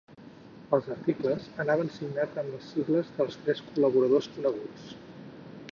Els articles anaven signats amb les sigles dels tres col·laboradors coneguts.